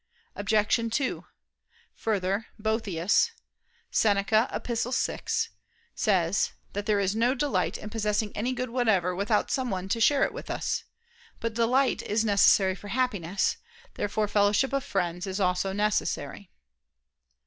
Obj. 2: Further, Boethius [*Seneca, Ep. 6] says that "there is no delight in possessing any good whatever, without someone to share it with us." But delight is necessary for Happiness. Therefore fellowship of friends is also necessary.